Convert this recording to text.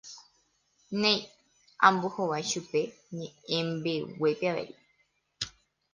Néi, ambohovái chupe ñe'ẽmbeguépe avei.